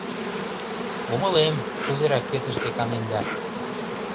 Умылем, кузерак те тыште каненда...